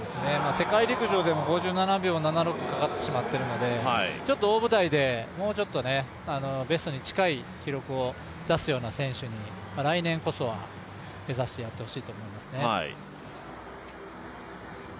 世界陸上でも５７秒７６かかってしまっているのでちょっと大舞台でもうちょっとベストに近い記録を出すような選手に、来年こそは目指してやってほしいなと思いますね。